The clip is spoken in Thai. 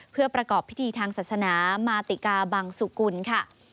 เพื่อประกอบพิธีทางศาสนามาติกาบังสุกุลค่ะ